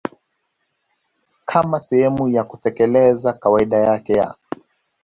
kama sehemu ya kutekeleza kawaida yake ya